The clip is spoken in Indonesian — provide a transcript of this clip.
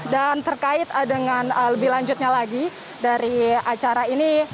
dan terkait dengan lebih lanjutnya lagi dari acara ini